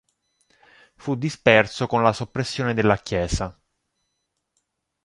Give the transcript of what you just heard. Fu disperso con la soppressione della chiesa.